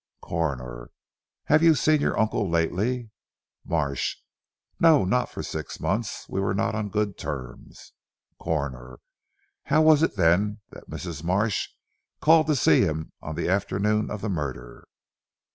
Coroner. "Have you seen your uncle lately?" Marsh. "No! Not for six months. We were not on good terms." Coroner. "How was it then that Mrs. Marsh called to see him on the afternoon of the murder?"